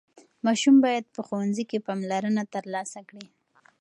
ماشوم باید په ښوونځي کې پاملرنه ترلاسه کړي.